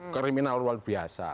kriminal luar biasa